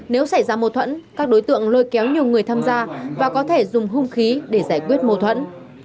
nếu xảy ra mâu thuẫn các đối tượng lôi kéo nhiều người tham gia và có thể dùng hung khí để giải quyết mâu thuẫn